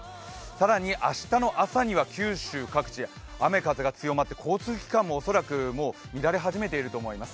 更に明日の朝には九州各地雨風が強まって交通機関も恐らく、乱れ始めていると思います。